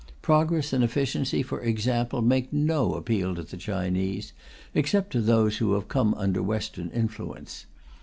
Progress and efficiency, for example, make no appeal to the Chinese, except to those who have come under Western influence.